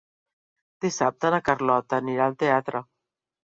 Dissabte na Carlota anirà al teatre.